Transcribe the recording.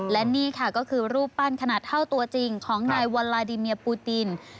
และนี่ค่ะก็คือรูปปั้นขนาดเท่าตัวจริงของนายวัลลาดิเมียปูติน